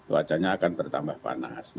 wajahnya akan bertambah panas